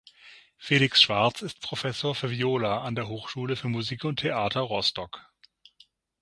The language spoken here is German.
Felix Schwartz ist Professor für Viola an der Hochschule für Musik und Theater Rostock.